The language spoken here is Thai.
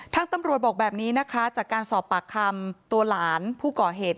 ตำรวจบอกแบบนี้นะคะจากการสอบปากคำตัวหลานผู้ก่อเหตุ